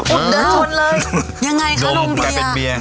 เดินชนเลยยังไงคะโรงเบียร์